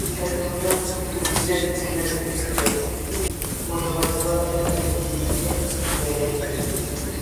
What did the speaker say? تەلمۈرىمەن گۈلدەك گۈزەل يۈزۈڭگە، قويغاچقا سەن يۈرىكىمنى زەرەتلەپ.